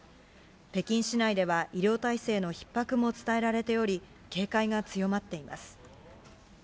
北京市内では、医療体制のひっ迫も伝えられており、警戒が強まっています。